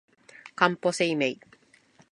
かんぽ生命